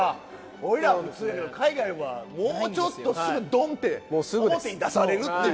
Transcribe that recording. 俺らは普通やけど海外はもうちょっとすぐドン！って表に出されるっていう。